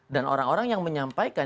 dan orang orang yang menyampaikan